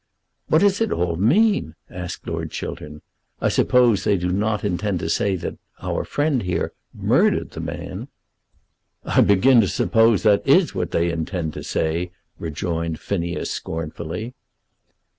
"What does it all mean?" asked Lord Chiltern. "I suppose they do not intend to say that our friend, here murdered the man." "I begin to suppose that is what they intend to say," rejoined Phineas, scornfully.